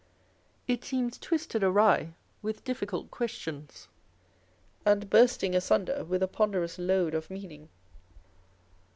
It seems twisted awry with difficult questions, and bursting asunder with a ponderous load of meaning.